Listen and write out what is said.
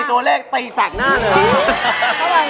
ตัวเลขตีแสกหน้าเลย